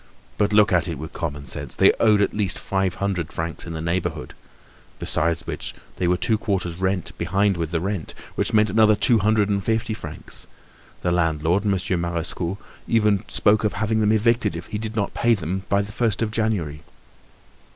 But look at it with common sense. They owed at least five hundred francs in the neighborhood. Besides which, they were two quarters' rent behind with the rent, which meant another two hundred and fifty francs; the landlord, Monsieur Marescot, even spoke of having them evicted if they did not pay him by the first of January.